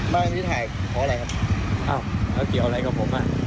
บ้านที่ถ่ายเพราะอะไรครับอ้าวแล้วเกี่ยวอะไรกับผมอ่ะ